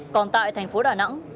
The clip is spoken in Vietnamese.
còn tại thành phố đà nẵng